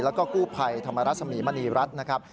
แล้วก็กู้ภัยธรรมรสมีมณีรัฐนะครับ